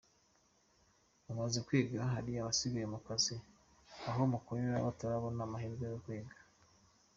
Mumaze kwiga, hari abasigaye ku kazi aho mukorera batarabona amahirwe yo kwiga.